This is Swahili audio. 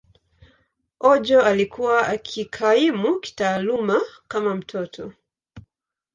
Ojo alikuwa akikaimu kitaaluma kama mtoto.